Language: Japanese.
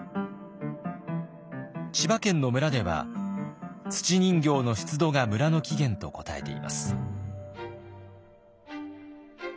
千葉県の村では土人形の出土が村の起源と答えています。